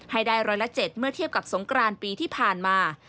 ให้ได้ร้อยละ๗เมื่อเทียบกับสงกรานปีที่ผ่านมา